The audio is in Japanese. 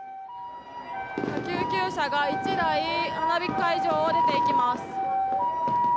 救急車が１台花火会場を出て行きます。